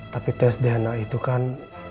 tapi tes dna itu kan